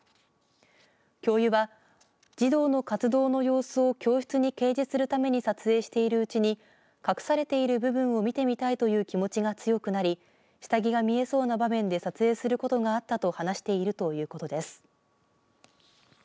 教諭は児童の活動の様子を教室に掲示するために撮影しているうちに隠されている部分を見てみたいという気持ちが強くなり下着が見えそうな場面で撮影することがあったと話しているということです。